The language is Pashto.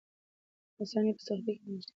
آساني په سختۍ کې نغښتې ده.